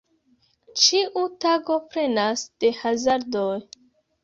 Ĉiu tago plenas de hazardoj.